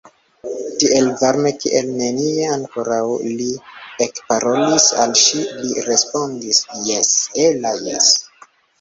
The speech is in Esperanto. Tiel varme kiel nenie ankoraŭ li ekparolis al ŝi, li respondis: « Jes, Ella, jes! »